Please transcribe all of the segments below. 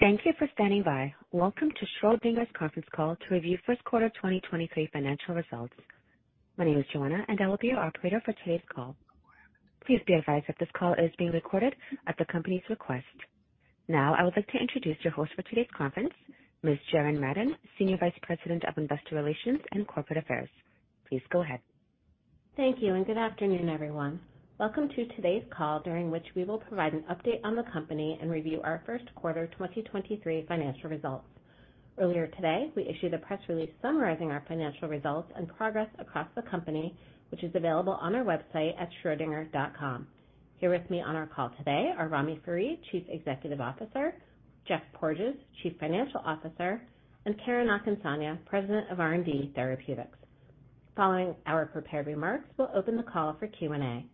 Thank you for standing by. Welcome to Schrödinger's conference call to review first quarter 2023 financial results. My name is Joanna, and I will be your operator for today's call. Please be advised that this call is being recorded at the company's request. Now I would like to introduce your host for today's conference, Ms. Jaren Madden, Senior Vice President of Investor Relations and Corporate Affairs. Please go ahead. Thank you, and good afternoon, everyone. Welcome to today's call, during which we will provide an update on the company and review our first quarter 2023 financial results. Earlier today, we issued a press release summarizing our financial results and progress across the company, which is available on our website at schrodinger.com. Here with me on our call today are Ramy Farid, Chief Executive Officer, Geoff Porges, Chief Financial Officer, and Karen Akinsanya, President of R&D, Therapeutics. Following our prepared remarks, we'll open the call for Q&A.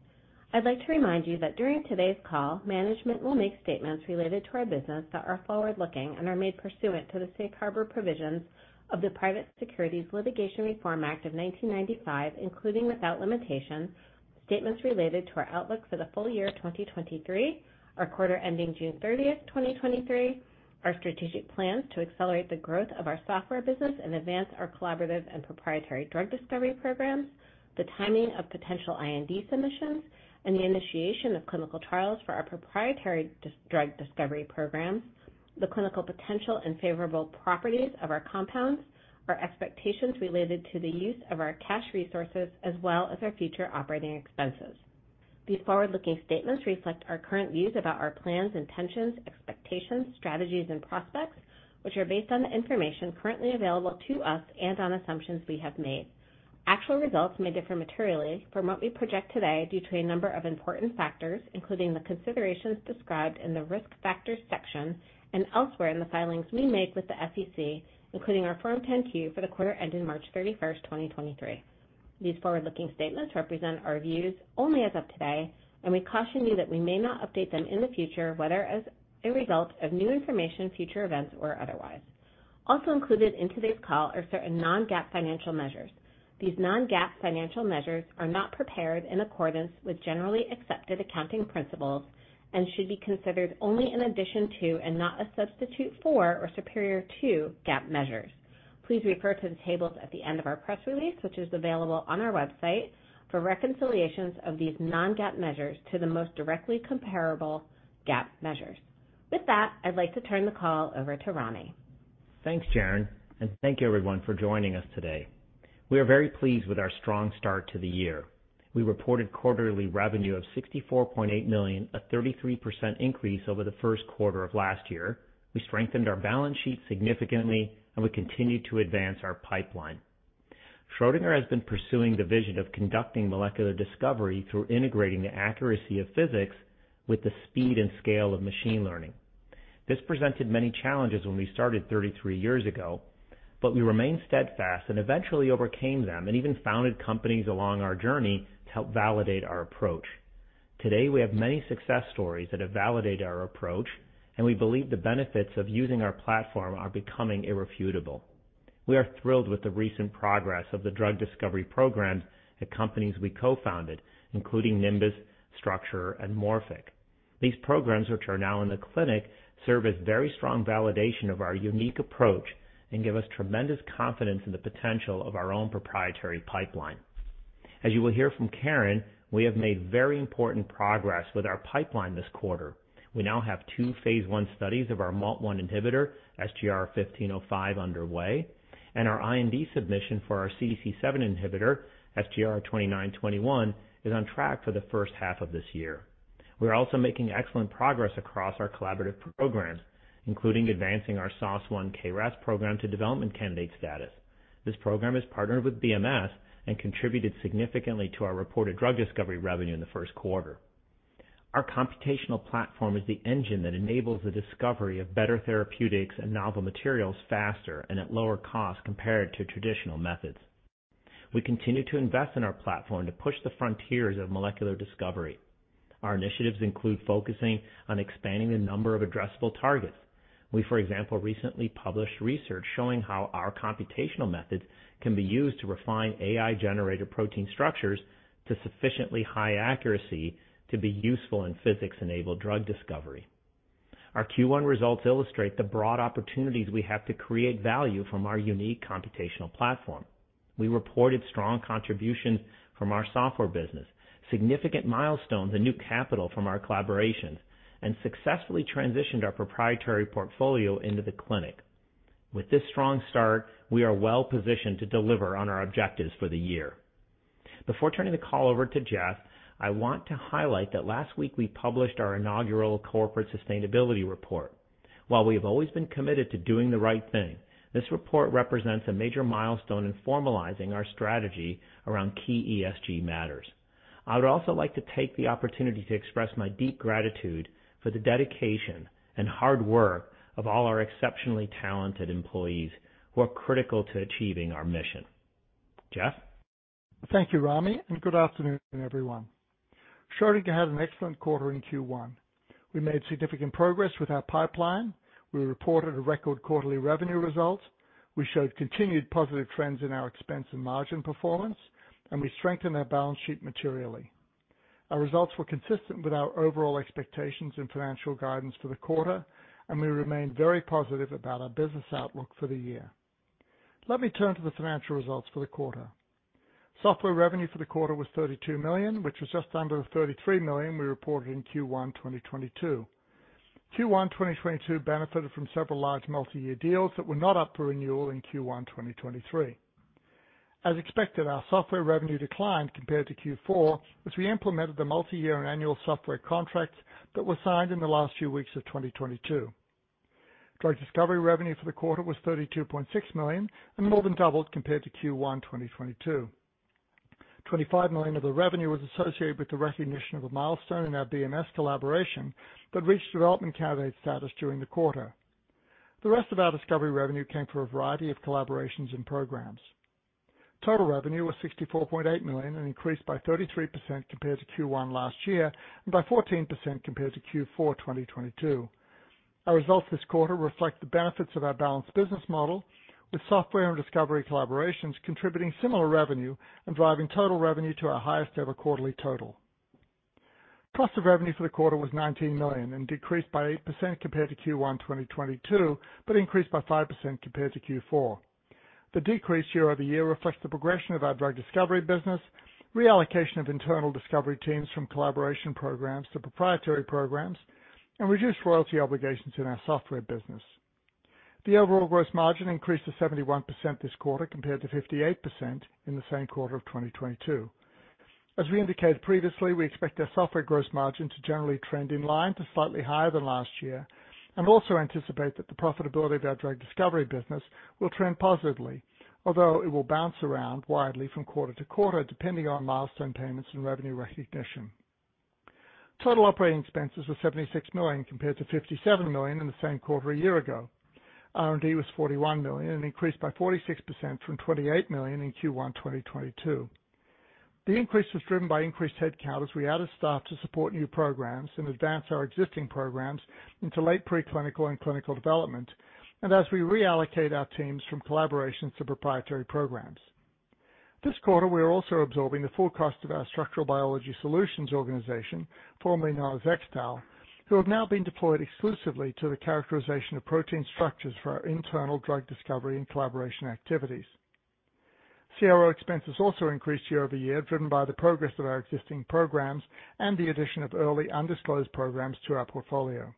I'd like to remind you that during today's call, management will make statements related to our business that are forward-looking and are made pursuant to the safe harbor provisions of the Private Securities Litigation Reform Act of 1995, including without limitation, statements related to our outlook for the full year of 2023, our quarter ending June 30th, 2023, our strategic plans to accelerate the growth of our software business and advance our collaborative and proprietary drug discovery programs, the timing of potential IND submissions and the initiation of clinical trials for our proprietary drug discovery programs, the clinical potential and favorable properties of our compounds, our expectations related to the use of our cash resources as well as our future operating expenses. These forward-looking statements reflect our current views about our plans, intentions, expectations, strategies, and prospects, which are based on the information currently available to us and on assumptions we have made. Actual results may differ materially from what we project today due to a number of important factors, including the considerations described in the Risk Factors section and elsewhere in the filings we make with the SEC, including our Form 10-Q for the quarter ending March 31, 2023. These forward-looking statements represent our views only as of today, and we caution you that we may not update them in the future, whether as a result of new information, future events, or otherwise. Also included in today's call are certain non-GAAP financial measures. These non-GAAP financial measures are not prepared in accordance with generally accepted accounting principles and should be considered only in addition to and not a substitute for or superior to GAAP measures. Please refer to the tables at the end of our press release, which is available on our website for reconciliations of these non-GAAP measures to the most directly comparable GAAP measures. With that, I'd like to turn the call over to Ramy. Thanks, Karen, thank you everyone for joining us today. We are very pleased with our strong start to the year. We reported quarterly revenue of $64.8 million, a 33% increase over the first quarter of last year. We strengthened our balance sheet significantly, we continued to advance our pipeline. Schrödinger has been pursuing the vision of conducting molecular discovery through integrating the accuracy of physics with the speed and scale of machine learning. This presented many challenges when we started 33 years ago, we remained steadfast and eventually overcame them and even founded companies along our journey to help validate our approach. Today, we have many success stories that have validated our approach, we believe the benefits of using our platform are becoming irrefutable. We are thrilled with the recent progress of the drug discovery programs, the companies we co-founded, including Nimbus, Structure, and Morphic. These programs, which are now in the clinic, serve as very strong validation of our unique approach and give us tremendous confidence in the potential of our own proprietary pipeline. As you will hear from Karen, we have made very important progress with our pipeline this quarter. We now have 2 phase I studies of our MALT1 inhibitor, SGR-1505 underway, and our IND submission for our CDC7 inhibitor SGR-2921 is on track for the first half of this year. We are also making excellent progress across our collaborative programs, including advancing our SOS1/KRAS program to development candidate status. This program is partnered with BMS and contributed significantly to our reported drug discovery revenue in the first quarter. Our computational platform is the engine that enables the discovery of better therapeutics and novel materials faster and at lower cost compared to traditional methods. We continue to invest in our platform to push the frontiers of molecular discovery. Our initiatives include focusing on expanding the number of addressable targets. We, for example, recently published research showing how our computational methods can be used to refine AI generator protein structures to sufficiently high accuracy to be useful in physics-enabled drug discovery. Our Q1 results illustrate the broad opportunities we have to create value from our unique computational platform. We reported strong contributions from our software business, significant milestones and new capital from our collaborations, and successfully transitioned our proprietary portfolio into the clinic. With this strong start, we are well positioned to deliver on our objectives for the year. Before turning the call over to Jeff, I want to highlight that last week we published our inaugural corporate sustainability report. While we have always been committed to doing the right thing, this report represents a major milestone in formalizing our strategy around key ESG matters. I would also like to take the opportunity to express my deep gratitude for the dedication and hard work of all our exceptionally talented employees who are critical to achieving our mission. Jeff? Thank you, Ramy, and good afternoon, everyone. Schrödinger had an excellent quarter in Q1. We made significant progress with our pipeline. We reported a record quarterly revenue result. We showed continued positive trends in our expense and margin performance, and we strengthened our balance sheet materially. Our results were consistent with our overall expectations and financial guidance for the quarter, and we remain very positive about our business outlook for the year. Let me turn to the financial results for the quarter. Software revenue for the quarter was $32 million, which was just under the $33 million we reported in Q1 2022. Q1 2022 benefited from several large multi-year deals that were not up for renewal in Q1 2023. As expected, our software revenue declined compared to Q4 as we implemented the multi-year and annual software contracts that were signed in the last few weeks of 2022. Drug discovery revenue for the quarter was $32.6 million and more than doubled compared to Q1 2022. $25 million of the revenue was associated with the recognition of a milestone in our BMS collaboration that reached development candidate status during the quarter. The rest of our discovery revenue came from a variety of collaborations and programs. Total revenue was $64.8 million, an increase by 33% compared to Q1 last year. By 14% compared to Q4 2022, our results this quarter reflect the benefits of our balanced business model, with software and discovery collaborations contributing similar revenue and driving total revenue to our highest ever quarterly total. Cost of revenue for the quarter was $19 million and decreased by 8% compared to Q1 2022, but increased by 5% compared to Q4. The decrease year-over-year reflects the progression of our drug discovery business, reallocation of internal discovery teams from collaboration programs to proprietary programs, and reduced royalty obligations in our software business. The overall gross margin increased to 71% this quarter, compared to 58% in the same quarter of 2022. As we indicated previously, we expect our software gross margin to generally trend in line to slightly higher than last year, and also anticipate that the profitability of our drug discovery business will trend positively. Although it will bounce around widely from quarter to quarter, depending on milestone payments and revenue recognition. Total operating expenses were $76 million, compared to $57 million in the same quarter a year ago. R&D was $41 million, an increase by 46% from $28 million in Q1 2022. The increase was driven by increased headcount as we added staff to support new programs and advance our existing programs into late preclinical and clinical development, and as we reallocate our teams from collaborations to proprietary programs. This quarter, we are also absorbing the full cost of our structural biology solutions organization, formerly known as XTAL BioStructures, who have now been deployed exclusively to the characterization of protein structures for our internal drug discovery and collaboration activities. CRO expenses also increased year-over-year, driven by the progress of our existing programs and the addition of early undisclosed programs to our portfolio.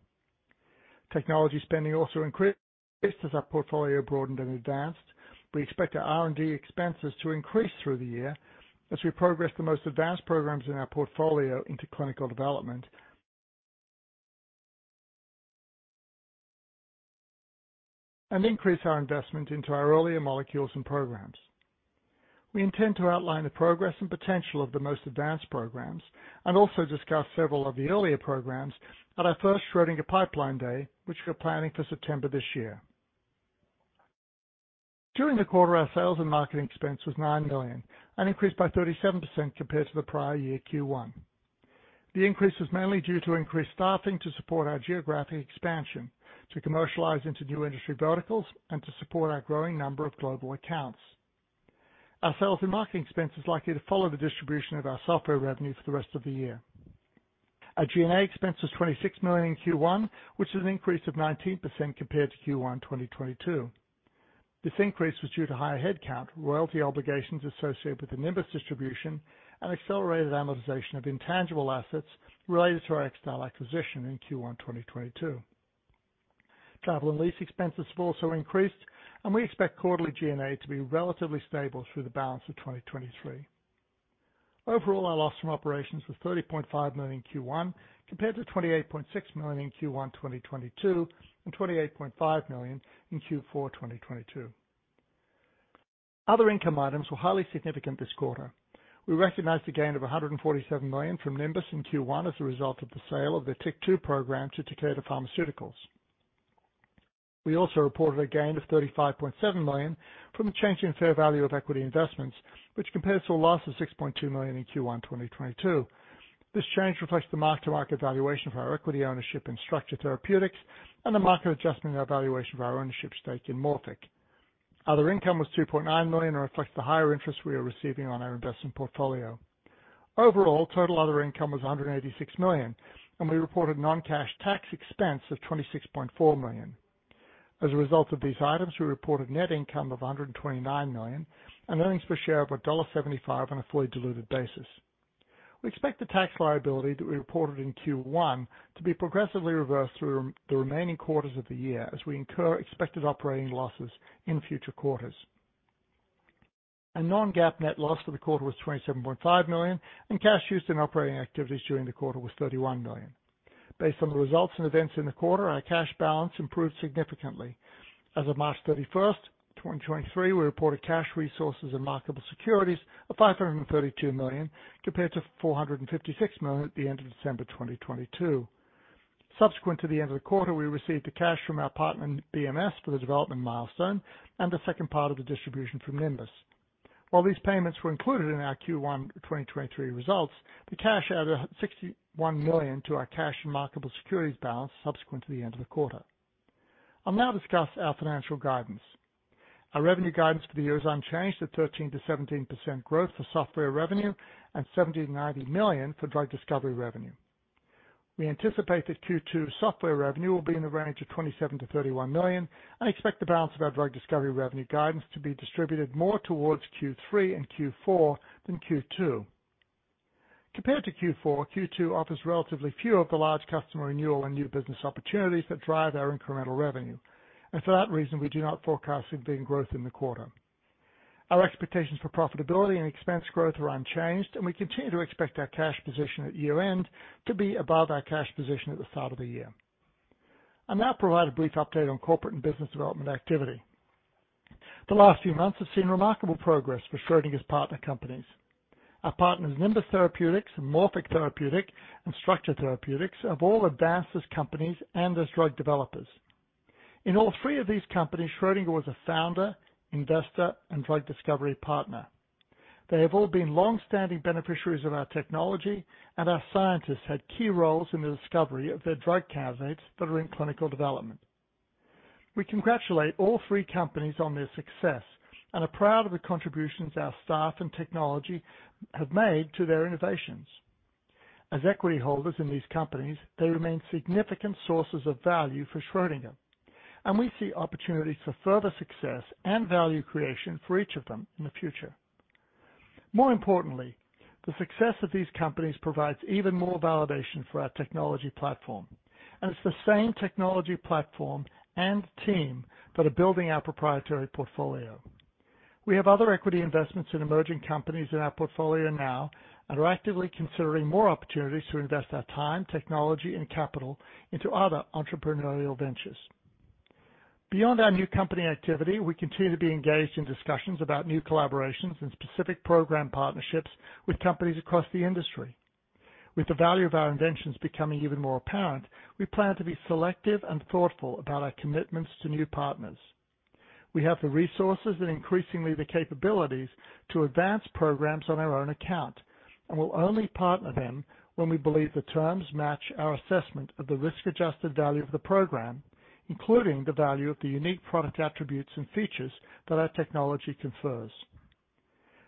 Technology spending also increased as our portfolio broadened and advanced. We expect our R&D expenses to increase through the year as we progress the most advanced programs in our portfolio into clinical development. increase our investment into our earlier molecules and programs. We intend to outline the progress and potential of the most advanced programs and also discuss several of the earlier programs at our first Schrödinger Pipeline Day, which we're planning for September this year. During the quarter, our sales and marketing expense was $9 million and increased by 37% compared to the prior year Q1. The increase was mainly due to increased staffing to support our geographic expansion, to commercialize into new industry verticals and to support our growing number of global accounts. Our sales and marketing expense is likely to follow the distribution of our software revenue for the rest of the year. Our G&A expense was $26 million in Q1, which is an increase of 19% compared to Q1 2022. This increase was due to higher headcount, royalty obligations associated with the Nimbus distribution, and accelerated amortization of intangible assets related to our XTAL acquisition in Q1 2022. Travel and lease expenses have also increased, and we expect quarterly G&A to be relatively stable through the balance of 2023. Overall, our loss from operations was $30.5 million in Q1, compared to $28.6 million in Q1 2022 and $28.5 million in Q4 2022. Other income items were highly significant this quarter. We recognized a gain of $147 million from Nimbus in Q1 as a result of the sale of the TYK2 program to Takeda Pharmaceutical. We also reported a gain of $35.7 million from the change in fair value of equity investments, which compares to a loss of $6.2 million in Q1 2022. This change reflects the mark-to-market valuation of our equity ownership in Structure Therapeutics and the market adjustment and valuation of our ownership stake in Morphic. Other income was $2.9 million and reflects the higher interest we are receiving on our investment portfolio. Overall, total other income was $186 million and we reported non-cash tax expense of $26.4 million. As a result of these items, we reported net income of $129 million and earnings per share of $1.75 on a fully diluted basis. We expect the tax liability that we reported in Q1 to be progressively reversed through the remaining quarters of the year as we incur expected operating losses in future quarters. Our non-GAAP net loss for the quarter was $27.5 million and cash used in operating activities during the quarter was $31 million. Based on the results and events in the quarter, our cash balance improved significantly. As of March 31st, 2023, we reported cash resources and marketable securities of $532 million compared to $456 million at the end of December 2022. Subsequent to the end of the quarter, we received the cash from our partner BMS for the development milestone and the second part of the distribution from Nimbus. While these payments were included in our Q1 2023 results, the cash added $61 million to our cash and marketable securities balance subsequent to the end of the quarter. I'll now discuss our financial guidance. Our revenue guidance for the year is unchanged at 13%-17% growth for software revenue and $70 million-$90 million for drug discovery revenue. We anticipate that Q2 software revenue will be in the range of $27 million-$31 million, expect the balance of our drug discovery revenue guidance to be distributed more towards Q3 and Q4 than Q2. Compared to Q4, Q2 offers relatively few of the large customer renewal and new business opportunities that drive our incremental revenue, for that reason, we do not forecast there being growth in the quarter. Our expectations for profitability and expense growth are unchanged, we continue to expect our cash position at year-end to be above our cash position at the start of the year. I'll now provide a brief update on corporate and business development activity. The last few months have seen remarkable progress for Schrödinger's partner companies. Our partners Nimbus Therapeutics, Morphic Therapeutic, and Structure Therapeutics have all advanced as companies and as drug developers. In all three of these companies, Schrödinger was a founder, investor, and drug discovery partner. They have all been long-standing beneficiaries of our technology, and our scientists had key roles in the discovery of their drug candidates that are in clinical development. We congratulate all three companies on their success and are proud of the contributions our staff and technology have made to their innovations. As equity holders in these companies, they remain significant sources of value for Schrödinger, and we see opportunities for further success and value creation for each of them in the future. More importantly, the success of these companies provides even more validation for our technology platform as the same technology platform and team that are building our proprietary portfolio. We have other equity investments in emerging companies in our portfolio now and are actively considering more opportunities to invest our time, technology, and capital into other entrepreneurial ventures. Beyond our new company activity, we continue to be engaged in discussions about new collaborations and specific program partnerships with companies across the industry. With the value of our inventions becoming even more apparent, we plan to be selective and thoughtful about our commitments to new partners. We have the resources and increasingly the capabilities to advance programs on our own account and will only partner them when we believe the terms match our assessment of the risk-adjusted value of the program, including the value of the unique product attributes and features that our technology confers.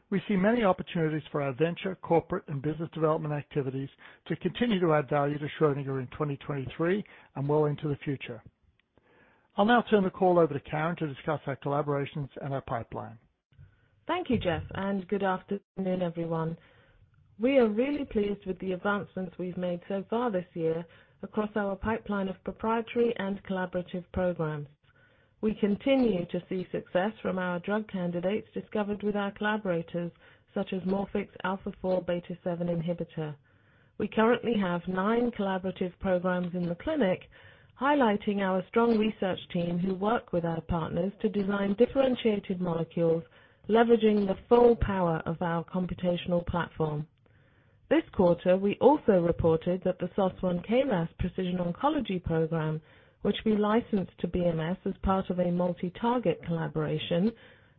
We see many opportunities for our venture, corporate, and business development activities to continue to add value to Schrödinger in 2023 and well into the future. I'll now turn the call over to Karen to discuss our collaborations and our pipeline. Thank you, Geoff, good afternoon, everyone. We are really pleased with the advancements we've made so far this year across our pipeline of proprietary and collaborative programs. We continue to see success from our drug candidates discovered with our collaborators such as Morphic's α4β7 inhibitor. We currently have 9 collaborative programs in the clinic, highlighting our strong research team who work with our partners to design differentiated molecules leveraging the full power of our computational platform. This quarter, we also reported that the SOS1/KRAS precision oncology program, which we licensed to BMS as part of a multi-target collaboration,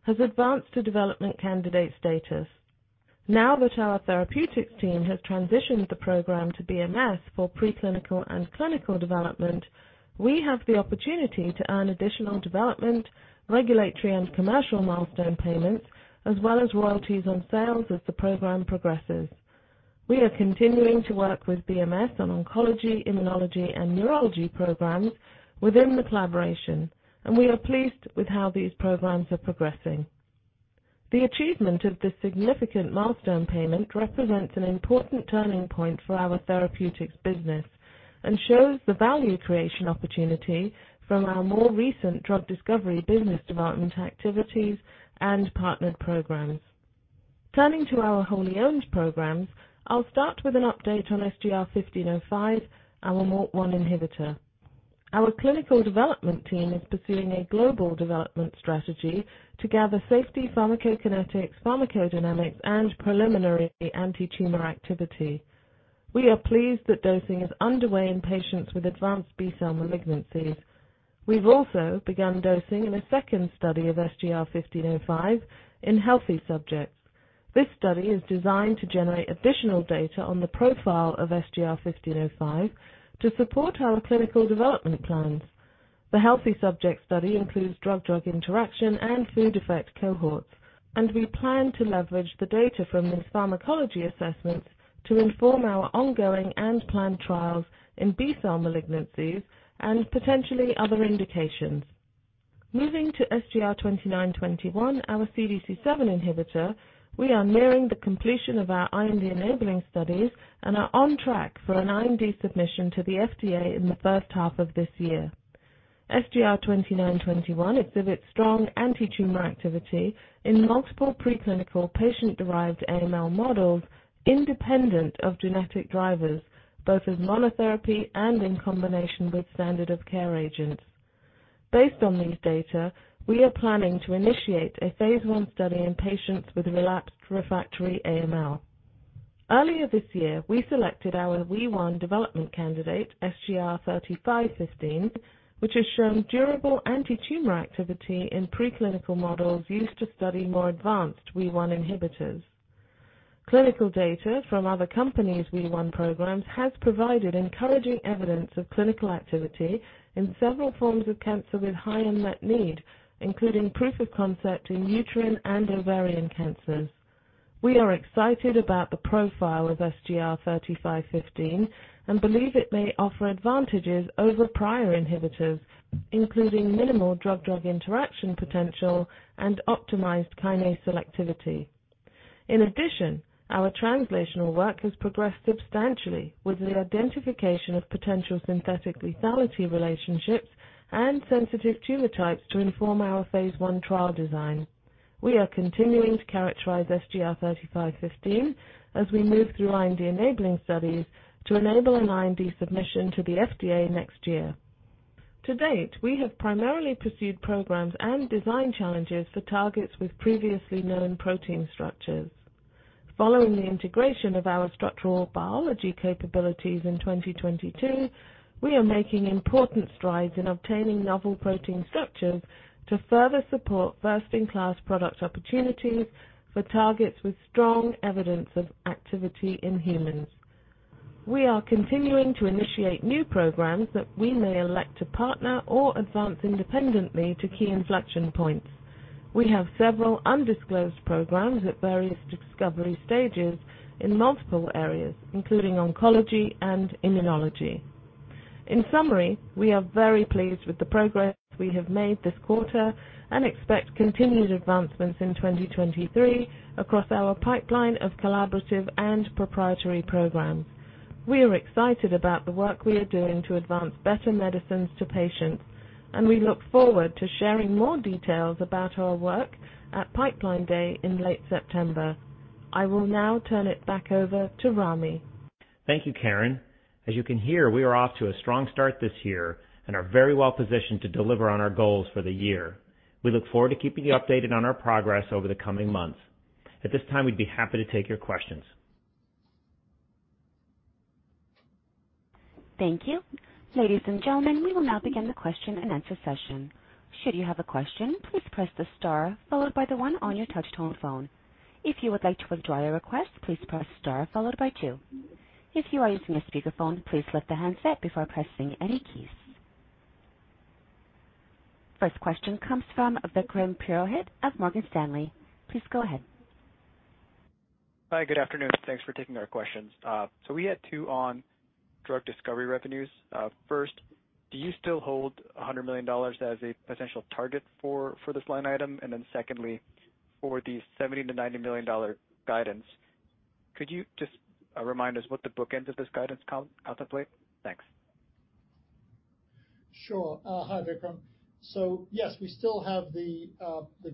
has advanced to development candidate status. Now that our therapeutics team has transitioned the program to BMS for preclinical and clinical development, we have the opportunity to earn additional development, regulatory, and commercial milestone payments as well as royalties on sales as the program progresses. We are continuing to work with BMS on oncology, immunology, and neurology programs within the collaboration. We are pleased with how these programs are progressing. The achievement of this significant milestone payment represents an important turning point for our therapeutics business and shows the value creation opportunity from our more recent drug discovery business development activities and partnered programs. Turning to our wholly-owned programs, I'll start with an update on SGR-1505, our MALT1 inhibitor. Our clinical development team is pursuing a global development strategy to gather safety pharmacokinetics, pharmacodynamics, and preliminary antitumor activity. We are pleased that dosing is underway in patients with advanced B-cell malignancies. We've also begun dosing in a second study of SGR-1505 in healthy subjects. This study is designed to generate additional data on the profile of SGR-1505 to support our clinical development plans. The healthy subject study includes drug-drug interaction and food effect cohorts. We plan to leverage the data from these pharmacology assessments to inform our ongoing and planned trials in B-cell malignancies and potentially other indications. Moving to SGR-2921, our CDC7 inhibitor, we are nearing the completion of our IND-enabling studies and are on track for an IND submission to the FDA in the first half of this year. SGR-2921 exhibits strong antitumor activity in multiple preclinical patient-derived AML models independent of genetic drivers, both as monotherapy and in combination with standard of care agents. Based on these data, we are planning to initiate a phase 1 study in patients with relapsed refractory AML. Earlier this year, we selected our Wee1 development candidate, SGR-3515, which has shown durable antitumor activity in preclinical models used to study more advanced Wee1 inhibitors. Clinical data from other companies' Wee1 programs has provided encouraging evidence of clinical activity in several forms of cancer with high unmet need, including proof of concept in uterine and ovarian cancers. We are excited about the profile of SGR-3515 and believe it may offer advantages over prior inhibitors, including minimal drug-drug interaction potential and optimized kinase selectivity. In addition, our translational work has progressed substantially with the identification of potential synthetic lethality relationships and sensitive tumor types to inform our phase 1 trial design. We are continuing to characterize SGR-3515 as we move through IND-enabling studies to enable an IND submission to the FDA next year. To date, we have primarily pursued programs and design challenges for targets with previously known protein structures. Following the integration of our structural biology capabilities in 2022, we are making important strides in obtaining novel protein structures to further support first in class product opportunities for targets with strong evidence of activity in humans. We are continuing to initiate new programs that we may elect to partner or advance independently to key inflection points. We have several undisclosed programs at various discovery stages in multiple areas, including oncology and immunology. In summary, we are very pleased with the progress we have made this quarter and expect continued advancements in 2023 across our pipeline of collaborative and proprietary programs. We are excited about the work we are doing to advance better medicines to patients, and we look forward to sharing more details about our work at Pipeline Day in late September. I will now turn it back over to Ramy. Thank you, Karen. As you can hear, we are off to a strong start this year and are very well positioned to deliver on our goals for the year. We look forward to keeping you updated on our progress over the coming months. At this time, we'd be happy to take your questions. Thank you. Ladies and gentlemen, we will now begin the question-and-answer session. Should you have a question, please press the star followed by the one on your touchtone phone. If you would like to withdraw your request, please press star followed by two. If you are using a speakerphone, please lift the handset before pressing any keys. First question comes from Vikram Purohit of Morgan Stanley. Please go ahead. Hi, good afternoon. Thanks for taking our questions. We had two on drug discovery revenues. First, do you still hold $100 million as a potential target for this line item? Secondly, for the $70 million-$90 million guidance, could you just remind us what the bookends of this guidance contemplate? Thanks. Sure. Hi, Vikram. Yes, we still have the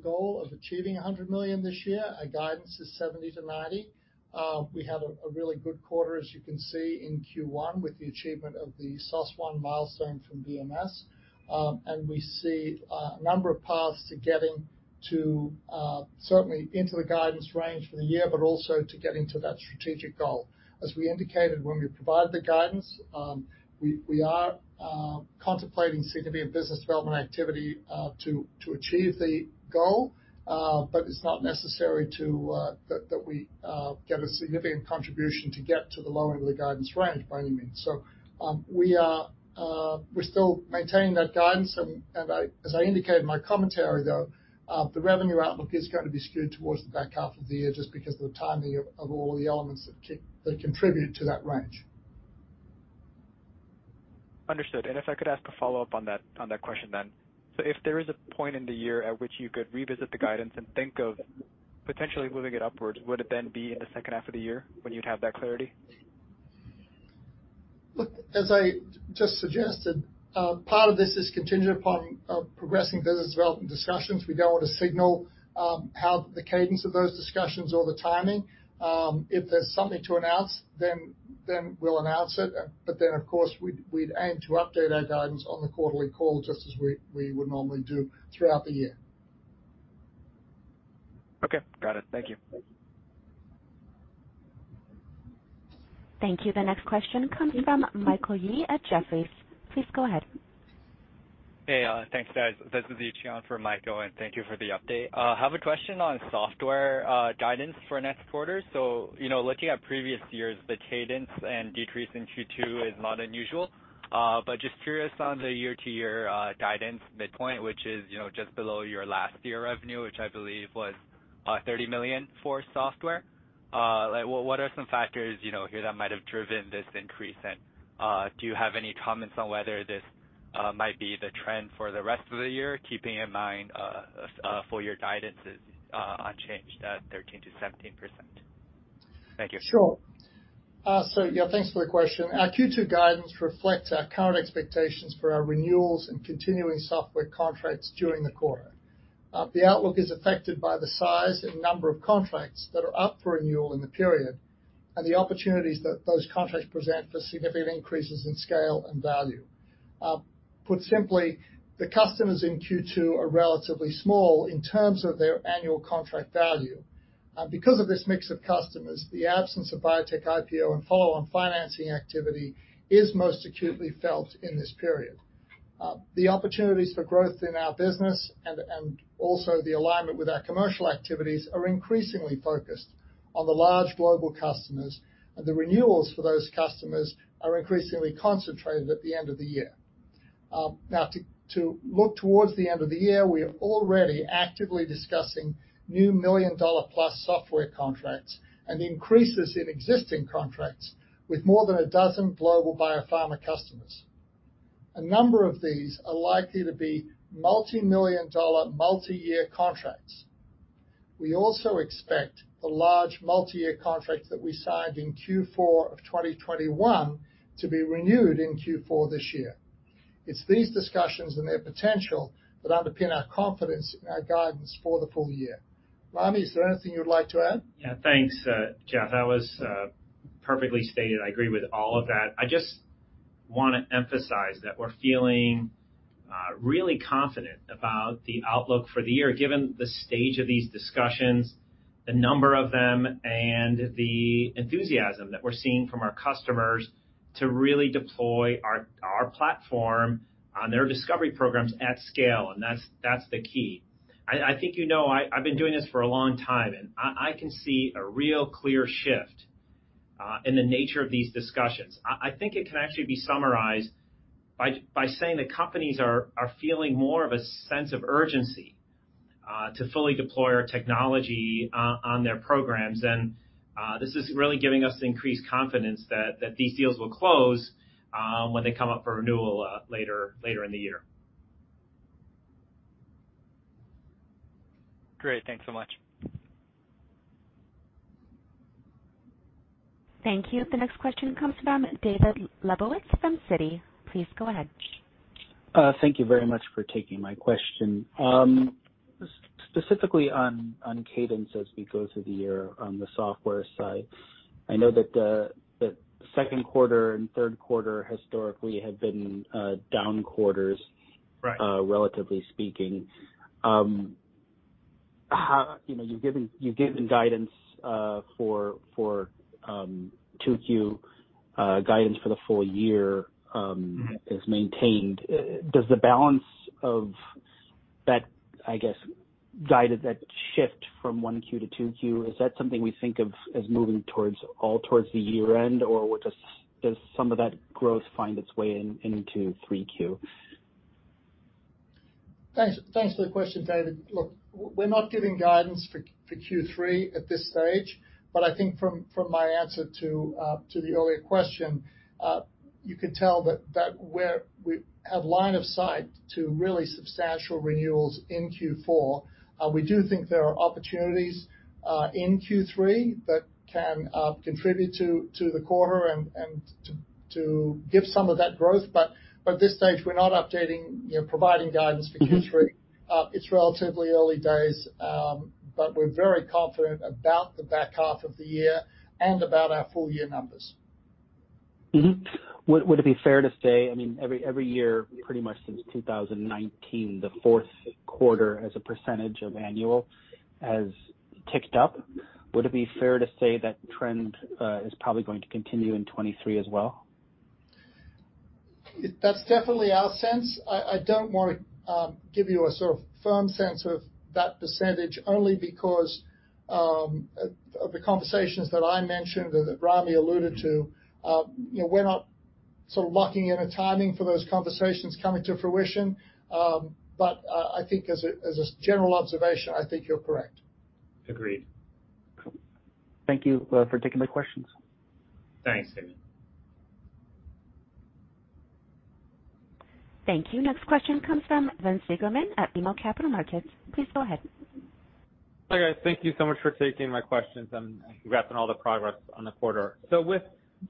goal of achieving $100 million this year. Our guidance is $70 million-$90 million. We had a really good quarter, as you can see in Q1, with the achievement of the SOS1 milestone from BMS. We see a number of paths to getting to certainly into the guidance range for the year, but also to get into that strategic goal. As we indicated when we provided the guidance, we are contemplating significant business development activity, to achieve the goal. It's not necessary to that we get a significant contribution to get to the low end of the guidance range by any means. We're still maintaining that guidance, and as I indicated in my commentary, though, the revenue outlook is going to be skewed towards the back half of the year just because of the timing of all the elements that contribute to that range. Understood. If I could ask a follow-up on that, on that question then. If there is a point in the year at which you could revisit the guidance and think of potentially moving it upwards, would it then be in the second half of the year when you'd have that clarity? Look, as I just suggested, part of this is contingent upon, progressing business development discussions. We don't want to signal, how the cadence of those discussions or the timing. If there's something to announce, then we'll announce it. Of course, we'd aim to update our guidance on the quarterly call, just as we would normally do throughout the year. Okay. Got it. Thank you. Thank you. The next question comes from Michael Yee at Jefferies. Please go ahead. Hey, thanks, guys. This is Yechiel for Michael, and thank you for the update. I have a question on software guidance for next quarter. You know, looking at previous years, the cadence and decrease in Q2 is not unusual. Just curious on the year-to-year guidance midpoint, which is, you know, just below your last year revenue, which I believe was $30 million for software. Like what are some factors, you know, here that might have driven this increase? Do you have any comments on whether this might be the trend for the rest of the year, keeping in mind full year guidance is unchanged at 13%-17%. Thank you. Sure. Thanks for the question. Our Q2 guidance reflects our current expectations for our renewals and continuing software contracts during the quarter. The outlook is affected by the size and number of contracts that are up for renewal in the period and the opportunities that those contracts present for significant increases in scale and value. Put simply, the customers in Q2 are relatively small in terms of their annual contract value. Because of this mix of customers, the absence of biotech IPO and follow-on financing activity is most acutely felt in this period. The opportunities for growth in our business and also the alignment with our commercial activities are increasingly focused on the large global customers. The renewals for those customers are increasingly concentrated at the end of the year. Now to look towards the end of the year, we are already actively discussing new $1 million-plus software contracts and increases in existing contracts with more than 12 global biopharma customers. A number of these are likely to be multimillion-dollar multi-year contracts. We also expect the large multi-year contract that we signed in Q4 of 2021 to be renewed in Q4 this year. It's these discussions and their potential that underpin our confidence in our guidance for the full year. Ramy, is there anything you'd like to add? Yeah. Thanks, Geoff. That was perfectly stated. I agree with all of that. I just wanna emphasize that we're feeling really confident about the outlook for the year, given the stage of these discussions, the number of them, and the enthusiasm that we're seeing from our customers to really deploy our platform on their discovery programs at scale, and that's the key. I think you know I've been doing this for a long time, and I can see a real clear shift in the nature of these discussions. I think it can actually be summarized by saying that companies are feeling more of a sense of urgency to fully deploy our technology on their programs. This is really giving us the increased confidence that these deals will close, when they come up for renewal, later in the year. Great. Thanks so much. Thank you. The next question comes from David Lebowitz from Citi. Please go ahead. Thank you very much for taking my question. Specifically on cadence as we go through the year on the software side, I know that the second quarter and third quarter historically have been down quarters. Right relatively speaking. You know, you've given guidance, for 2Q, guidance for the full year. Mm-hmm... is maintained. Does the balance of that, I guess, guide of that shift from 1Q to 2Q, is that something we think of as moving towards, all towards the year end, or does some of that growth find its way into 3Q? Thanks for the question, David. Look, we're not giving guidance for Q3 at this stage, but I think from my answer to the earlier question, you could tell that we have line of sight to really substantial renewals in Q4. We do think there are opportunities in Q3 that can contribute to the quarter and to give some of that growth, but at this stage we're not updating, you know, providing guidance for Q3. Mm-hmm. It's relatively early days, but we're very confident about the back half of the year and about our full year numbers. Mm-hmm. Would it be fair to say, I mean, every year pretty much since 2019, the fourth quarter as a % of annual has ticked up. Would it be fair to say that trend is probably going to continue in 2023 as well? That's definitely our sense. I don't wanna give you a sort of firm sense of that percentage only because the conversations that I mentioned and that Ramy alluded to, you know, we're not sort of locking in a timing for those conversations coming to fruition. I think as a general observation, I think you're correct. Agreed. Thank you for taking my questions. Thanks, David. Thank you. Next question comes from Evan Seigerman at BMO Capital Markets. Please go ahead. Hi, guys. Thank you so much for taking my questions. Congrats on all the progress on the quarter. With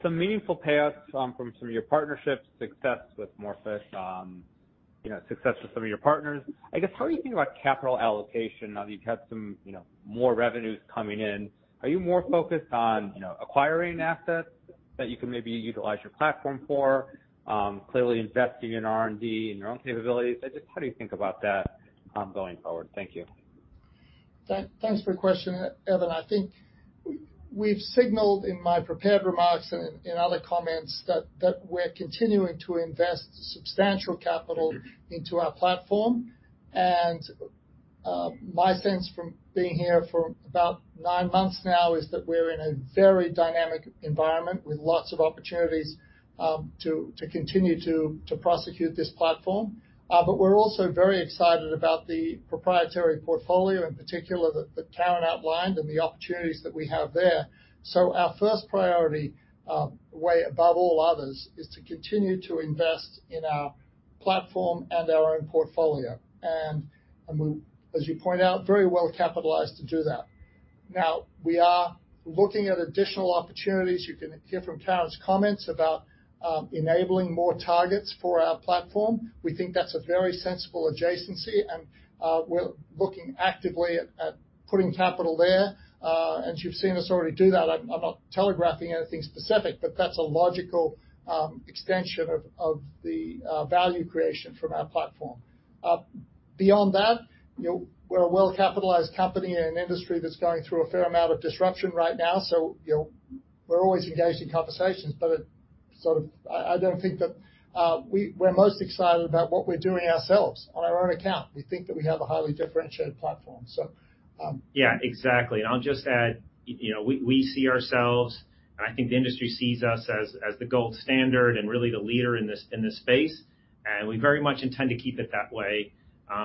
some meaningful payouts from some of your partnerships, success with Morphic, you know, success with some of your partners, I guess, how are you think about capital allocation? Now that you've had some, you know, more revenues coming in, are you more focused on, you know, acquiring assets that you can maybe utilize your platform for, clearly investing in R&D and your own capabilities? I guess, how do you think about that going forward? Thank you. Thanks for your question, Evan. I think we've signaled in my prepared remarks and other comments that we're continuing to invest substantial capital into our platform. My sense from being here for about 9 months now is that we're in a very dynamic environment with lots of opportunities to continue to prosecute this platform. We're also very excited about the proprietary portfolio, in particular that Karen outlined, and the opportunities that we have there. Our first priority, way above all others, is to continue to invest in our platform and our own portfolio. I mean, as you point out, very well capitalized to do that. Now, we are looking at additional opportunities. You can hear from Karen's comments about enabling more targets for our platform. We think that's a very sensible adjacency. We're looking actively at putting capital there. You've seen us already do that. I'm not telegraphing anything specific, but that's a logical extension of the value creation from our platform. Beyond that, you know, we're a well-capitalized company in an industry that's going through a fair amount of disruption right now. You know, we're always engaged in conversations, but it sort of... I don't think that we're most excited about what we're doing ourselves on our own account. We think that we have a highly differentiated platform. Yeah, exactly. I'll just add, you know, we see ourselves, and I think the industry sees us as the gold standard and really the leader in this space. We very much intend to keep it that way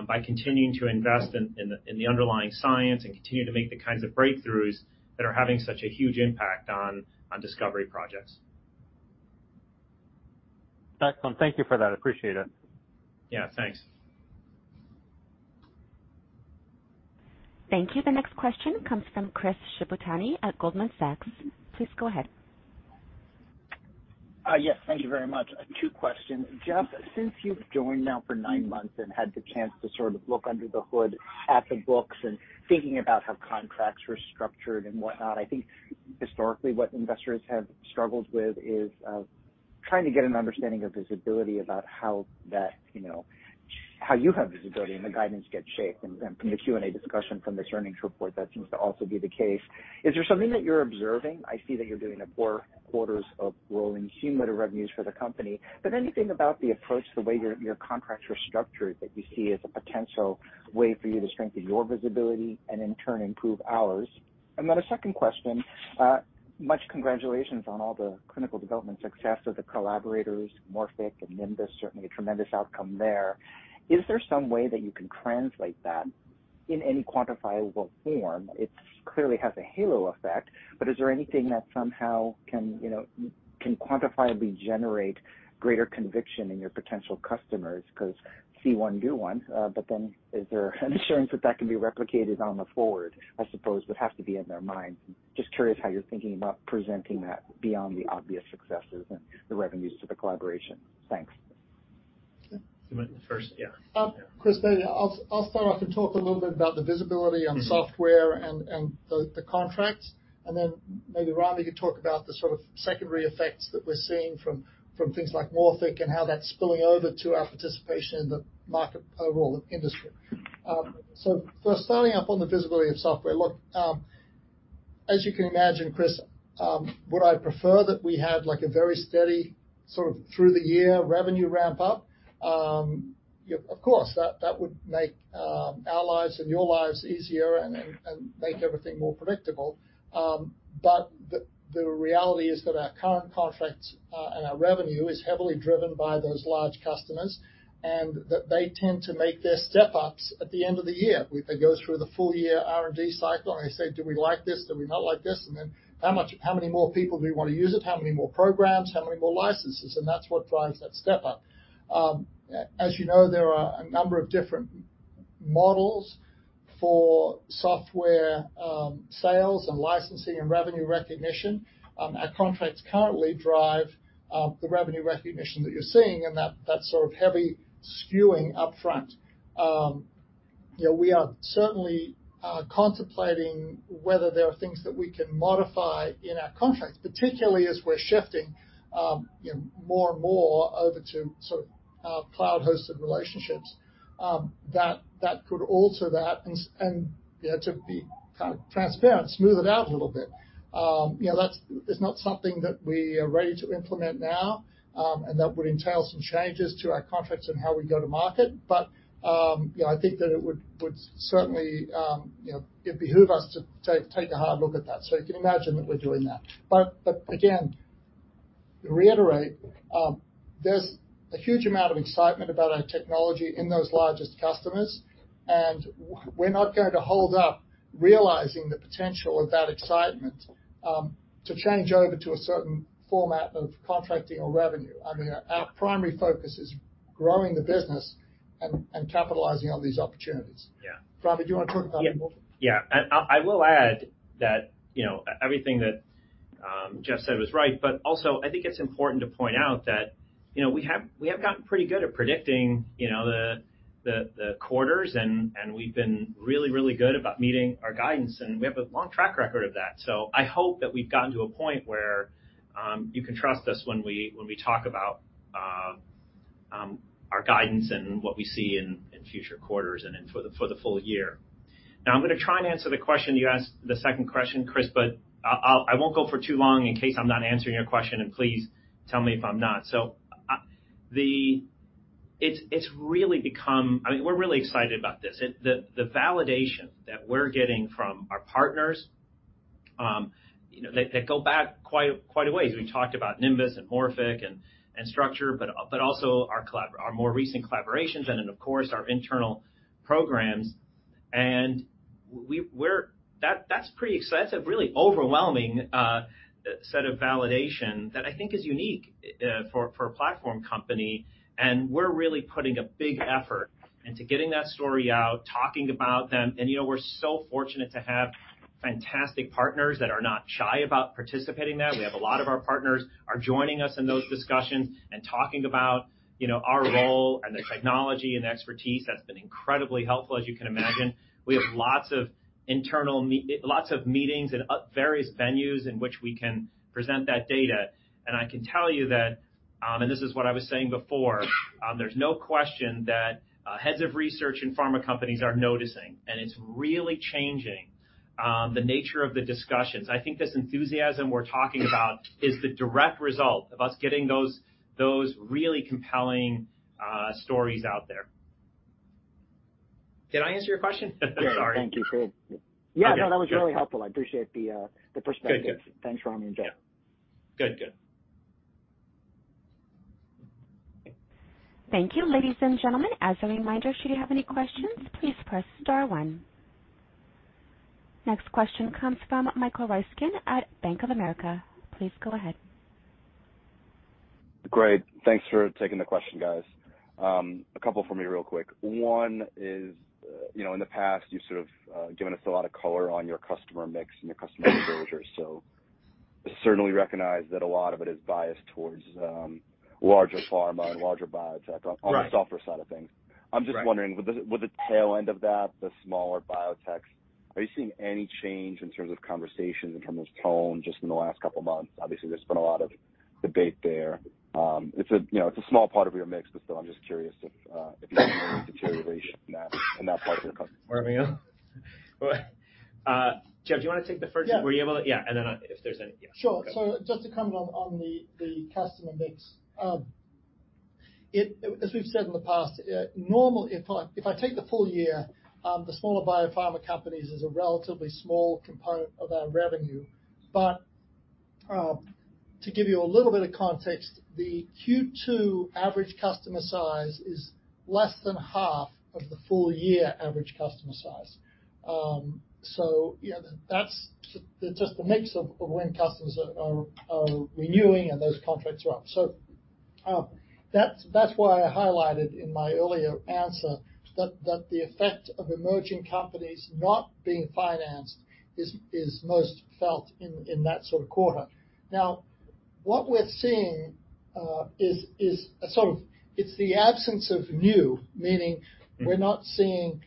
by continuing to invest in the underlying science and continue to make the kinds of breakthroughs that are having such a huge impact on discovery projects. Excellent. Thank you for that. Appreciate it. Yeah, thanks. Thank you. The next question comes from Chris Shibutani at Goldman Sachs. Please go ahead. Yes, thank you very much. Two questions. Geoff, since you've joined now for nine months and had the chance to sort of look under the hood at the books and thinking about how contracts were structured and whatnot, I think historically what investors have struggled with is trying to get an understanding or visibility about how that, you know, how you have visibility and the guidance gets shaped. From the Q&A discussion from this earnings report, that seems to also be the case. Is there something that you're observing? I see that you're doing a four quarters of rolling cumulative revenues for the company, but anything about the approach, the way your contracts are structured that you see as a potential way for you to strengthen your visibility and in turn improve ours? A second question, much congratulations on all the clinical development success of the collaborators, Morphic and Nimbus Therapeutics, certainly a tremendous outcome there. Is there some way that you can translate that in any quantifiable form? It's clearly has a halo effect, but is there anything that somehow can, you know, can quantifiably generate greater conviction in your potential customers? 'Cause see one, do one, is there an assurance that that can be replicated on the forward, I suppose, would have to be in their minds? Just curious how you're thinking about presenting that beyond the obvious successes and the revenues to the collaboration. Thanks. You want the first? Yeah. Chris, maybe I'll start off and talk a little bit about the visibility- Mm-hmm. on software and the contracts. Then maybe Ramy could talk about the sort of secondary effects that we're seeing from things like Morphic and how that's spilling over to our participation in the market overall industry. First starting up on the visibility of software. Look, as you can imagine, Chris, would I prefer that we had like a very steady sort of through the year revenue ramp up? Of course, that would make our lives and your lives easier and make everything more predictable. The reality is that our current contracts, our revenue is heavily driven by those large customers, that they tend to make their step-ups at the end of the year. They go through the full year R&D cycle, they say, "Do we like this? Do we not like this?" "How many more people do we wanna use it? How many more programs? How many more licenses?" That's what drives that step up. As you know, there are a number of different models for software, sales and licensing and revenue recognition. Our contracts currently drive the revenue recognition that you're seeing and that sort of heavy skewing up front. You know, we are certainly contemplating whether there are things that we can modify in our contracts, particularly as we're shifting, you know, more and more over to sort of cloud-hosted relationships, that could alter that and, you know, to be kind of transparent, smooth it out a little bit. You know, that's is not something that we are ready to implement now, and that would entail some changes to our contracts and how we go to market. You know, I think that it would certainly, you know, it behoove us to take a hard look at that. You can imagine that we're doing that. Again, reiterate, there's a huge amount of excitement about our technology in those largest customers, and we're not going to hold up realizing the potential of that excitement, to change over to a certain format of contracting or revenue. I mean, our primary focus is growing the business and capitalizing on these opportunities. Yeah. Ramy, do you wanna talk about Morphic? Yeah. I will add that, you know, everything that Geoff said was right. Also, I think it's important to point out that, you know, we have gotten pretty good at predicting, you know, the quarters and we've been really, really good about meeting our guidance, and we have a long track record of that. I hope that we've gotten to a point where you can trust us when we talk about our guidance and what we see in future quarters and for the full year. I'm going to try and answer the question you asked, the second question, Chris Shibutani. I won't go for too long in case I'm not answering your question. Please tell me if I'm not. It's really become... I mean, we're really excited about this. The validation that we're getting from our partners, you know, they go back quite a ways. We talked about Nimbus and Morphic and Structure, but also our collab, our more recent collaborations and then of course, our internal programs. We're... That's a really overwhelming set of validation that I think is unique for a platform company, and we're really putting a big effort into getting that story out, talking about them. You know, we're so fortunate to have fantastic partners that are not shy about participating there. We have a lot of our partners are joining us in those discussions and talking about, you know, our role and the technology and expertise that's been incredibly helpful, as you can imagine. We have lots of internal lots of meetings and at various venues in which we can present that data. I can tell you that. This is what I was saying before. There's no question that heads of research in pharma companies are noticing, and it's really changing the nature of the discussions. I think this enthusiasm we're talking about is the direct result of us getting those really compelling stories out there. Did I answer your question? Sorry. Yeah. Thank you. Good. Yeah. No, that was really helpful. I appreciate the perspective. Good. Good. Thanks, Ramy and Geoff. Good. Good. Thank you. Ladies and gentlemen, as a reminder, should you have any questions, please press star one. Next question comes from Michael Ryskin at Bank of America. Please go ahead. Great. Thanks for taking the question, guys. A couple for me real quick. One is, you know, in the past, you've sort of given us a lot of color on your customer mix and your customer engagement. Certainly recognize that a lot of it is biased towards larger pharma and larger biotech. Right. the software side of things. Right. I'm just wondering, with the tail end of that, the smaller biotechs, are you seeing any change in terms of conversations, in terms of tone just in the last couple of months? Obviously, there's been a lot of debate there. You know, it's a small part of your mix, but still, I'm just curious if you're seeing any deterioration in that, in that part of the customer. Geoff, do you wanna take? Yeah. Were you able to. Yeah. If there's any, yeah. Sure. Just to comment on the customer mix. As we've said in the past, normally, if I take the full year, the smaller biopharma companies is a relatively small component of our revenue. To give you a little bit of context, the Q2 average customer size is less than half of the full year average customer size. you know, that's just the mix of when customers are renewing and those contracts are up. That's why I highlighted in my earlier answer that the effect of emerging companies not being financed is most felt in that sort of quarter. Now, what we're seeing is a sort of, it's the absence of new, meaning we're not seeing,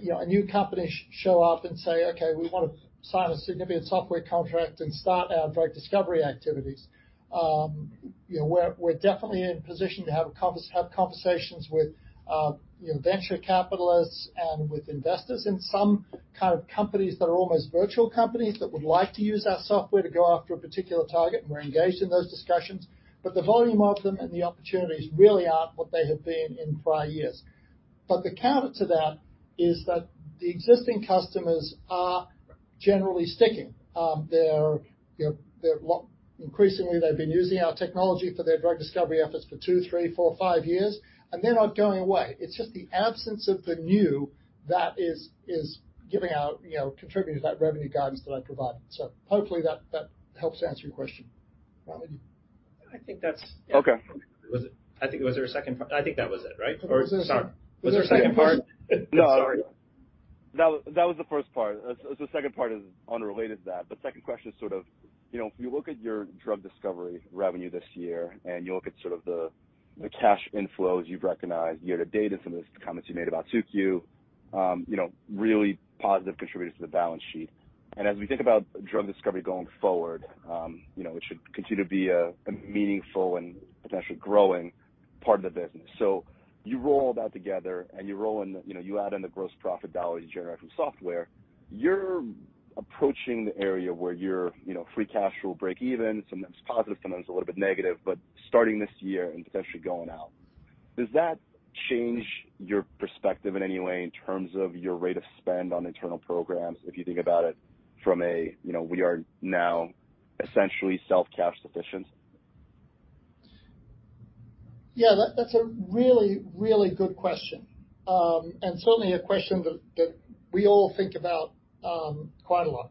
you know, a new company show up and say, "Okay, we wanna sign a significant software contract and start our drug discovery activities." You know, we're definitely in a position to have conversations with, you know, venture capitalists and with investors in some kind of companies that are almost virtual companies that would like to use our software to go after a particular target, and we're engaged in those discussions. The volume of them and the opportunities really aren't what they have been in prior years. The counter to that is that the existing customers are generally sticking. They're, you know, increasingly, they've been using our technology for their drug discovery efforts for two, three, four, five years, and they're not going away. It's just the absence of the new that is giving out, you know, contributing to that revenue guidance that I provided. Hopefully that helps answer your question. Ramy. I think that's... Okay. Was there a second part? I think that was it, right? Was there a second part? Sorry. Was there a second part? I'm sorry. No. That was the first part. The second part is unrelated to that. The second question is sort of, you know, if you look at your drug discovery revenue this year and you look at sort of the cash inflows you've recognized year-to-date and some of the comments you made about SOS1, you know, really positive contributors to the balance sheet. As we think about drug discovery going forward, you know, it should continue to be a meaningful and potentially growing part of the business. You roll all that together and you roll in, you know, you add in the gross profit dollars you generate from software, you're approaching the area where your, you know, free cash will break even. Sometimes positive, sometimes a little bit negative, but starting this year and potentially going out. Does that change your perspective in any way in terms of your rate of spend on internal programs, if you think about it from a, you know, we are now essentially self-cash sufficient? Yeah. That's a really, really good question. Certainly a question that we all think about, quite a lot.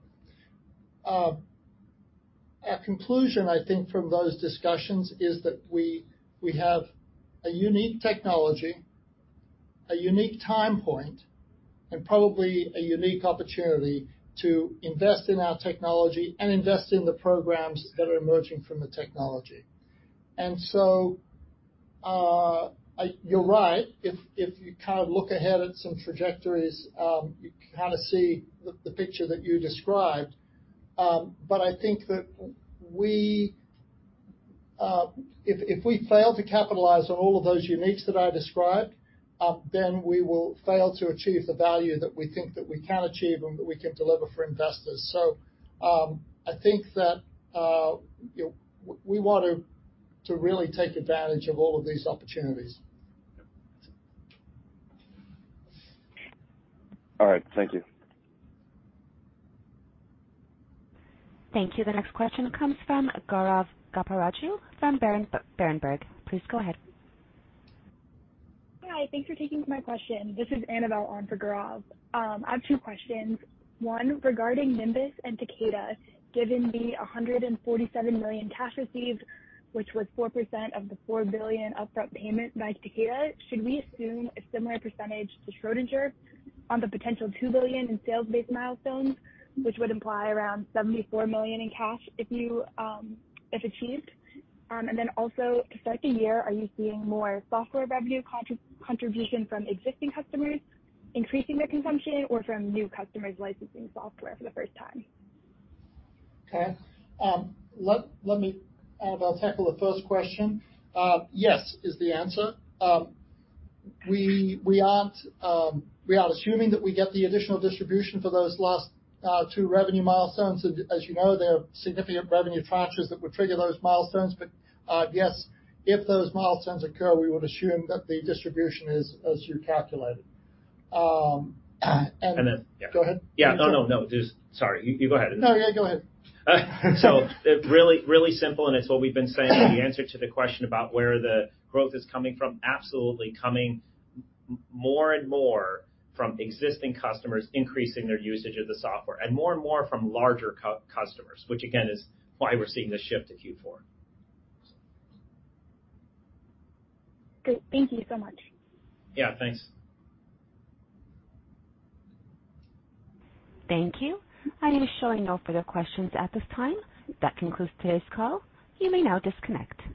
Our conclusion, I think, from those discussions is that we have a unique technology, a unique time point, and probably a unique opportunity to invest in our technology and invest in the programs that are emerging from the technology. You're right. If you kind of look ahead at some trajectories, you kinda see the picture that you described. I think that we, if we fail to capitalize on all of those uniques that I described, then we will fail to achieve the value that we think that we can achieve and that we can deliver for investors. I think that, we want to really take advantage of all of these opportunities. All right. Thank you. Thank you. The next question comes from Gaurav Goparaju from Berenberg. Please go ahead. Hi. Thanks for taking my question. This is Annabelle on for Gaurav. I have two questions. One, regarding Nimbus and Takeda, given the $147 million cash received, which was 4% of the $4 billion upfront payment by Takeda, should we assume a similar percentage to Schrödinger on the potential $2 billion in sales-based milestones, which would imply around $74 million in cash if you, if achieved? Also, to start the year, are you seeing more software revenue contribution from existing customers increasing their consumption or from new customers licensing software for the first time? Okay. Let me, Annabelle, tackle the first question. Yes is the answer. We aren't, we are assuming that we get the additional distribution for those last, two revenue milestones. As you know, they are significant revenue tranches that would trigger those milestones. Yes, if those milestones occur, we would assume that the distribution is as you calculated. Yeah. Go ahead. Yeah. No. Sorry. You go ahead. No. Yeah, go ahead. really, really simple, and it's what we've been saying in the answer to the question about where the growth is coming from. Absolutely coming more and more from existing customers increasing their usage of the software and more and more from larger customers, which again, is why we're seeing this shift to Q4. Great. Thank you so much. Yeah. Thanks. Thank you. I am showing no further questions at this time. That concludes today's call. You may now disconnect.